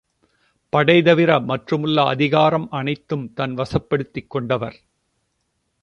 படை தவிர மற்றுமுள்ள அதிகாரம் அனைத்தும் தன்வசப்படுத்திக் கொண்டவர்.